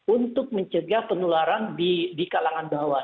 untuk mencegah penularan di kalangan bawah